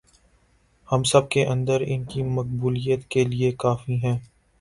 ہم سب کے اندر ان کی مقبولیت کے لئے کافی ہیں